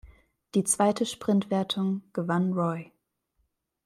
Die zweite Sprintwertung gewann Roy.